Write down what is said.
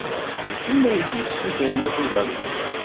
D kemm ay d-yessutren abugaṭu.